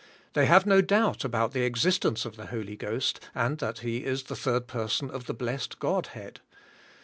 They have no doubt about the existence of the Holy Ghost, and that He is the Third Person of the Blessed God Head.